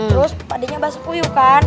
terus padenya basah kuyuk kan